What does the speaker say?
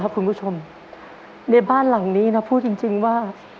ขอบคุณค่ะ